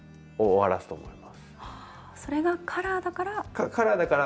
それがカラーだから。